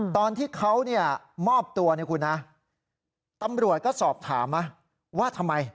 ตอนที่เขามอบตัวตำรวจก็สอบถามว่าทำไม